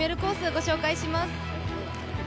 ご紹介いたします。